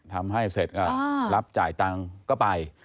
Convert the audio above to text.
ทำให้เสร็จก็รับจ่ายตังค์ก็ไป